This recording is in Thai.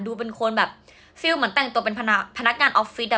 เป็นคนแบบฟิลเหมือนแต่งตัวเป็นพนักงานออฟฟิศอ่ะ